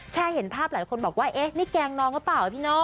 เห็นภาพหลายคนบอกว่าเอ๊ะนี่แกล้งน้องหรือเปล่าพี่โน่